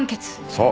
そう。